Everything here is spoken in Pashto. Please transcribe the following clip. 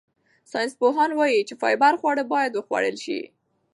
ساینسپوهان وايي چې فایبر خواړه باید وخوړل شي.